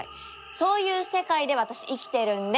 そういう世界で私生きてるんで！